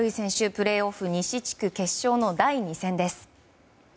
プレーオフ西地区決勝の第２戦です。